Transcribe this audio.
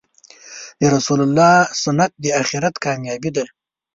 د رسول الله سنت د آخرت کامیابې ده .